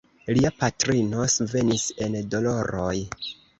Lia patrino svenis en doloroj.